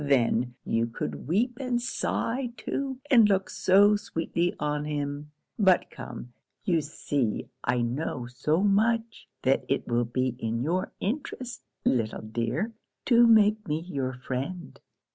Then, you could weep and sigh too, and look so sweetly on him. But come you see I know so much that it will be your interest, little dear, to make me your friend.'